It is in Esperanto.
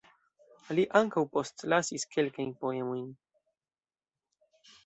Li ankaŭ postlasis kelkajn poemojn.